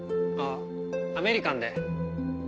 あっアメリカンで。